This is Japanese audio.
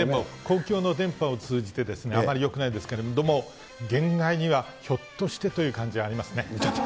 公共の電波を通じて、あまりよくないですけれども、恋愛にはひょっとしてという感じありますね。